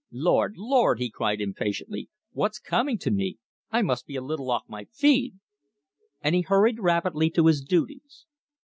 "Lord, Lord!" he cried impatiently. "What's coming to me? I must be a little off my feed!" And he hurried rapidly to his duties.